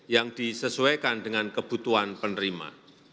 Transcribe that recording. yang disesuaikan dengan kebutuhan penerima